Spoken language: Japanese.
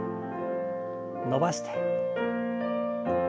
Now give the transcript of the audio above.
伸ばして。